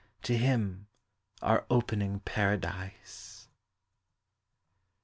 To him are opening Paradise.